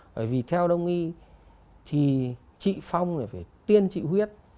bởi vì theo đồng nghi thì trị phong là phải tiên trị huyết